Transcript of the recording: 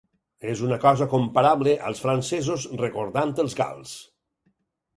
És una cosa comparable als francesos recordant els gals.